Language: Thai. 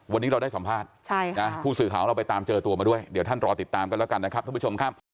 วันนี้เราได้สัมภาษณ์ผู้สื่อข่าวของเราไปตามเจอตัวมาด้วยเดี๋ยวท่านรอติดตามกันแล้วกันนะครับท่านผู้ชมครับ